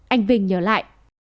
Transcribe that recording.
anh vinh nhớ lại